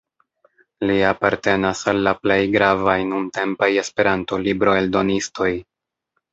Li apartenas al la plej gravaj nuntempaj Esperanto-libroeldonistoj.